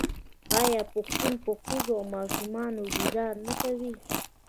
آیا پښتون په ښځو او ماشومانو ګذار نه کوي؟